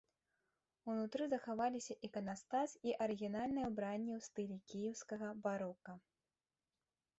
Унутры захаваліся іканастас і арыгінальнае ўбранне ў стылі кіеўскага барока.